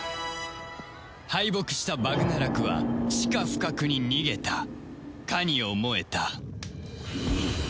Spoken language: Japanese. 敗北したバグナラクは地下深くに逃げたかに思えた